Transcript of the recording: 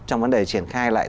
trong vấn đề triển khai lại